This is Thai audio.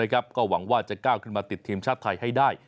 ก็หวังว่าจะก้าวขึ้นมาติดทีมชาติไทยให้ได้